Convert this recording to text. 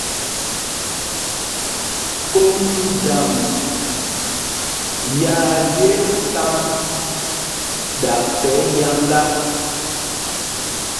Kôm ndam yaa lyel kámb ɗakɛ yáŋgá.